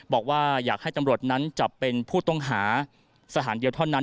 บอกว่าอยากให้ตำรวจนั้นจับเป็นผู้ต้องหาสถานเดียวเท่านั้น